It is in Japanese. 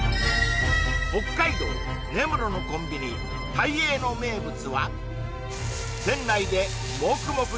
北海道根室のコンビニタイエーの名物は店内でモクモク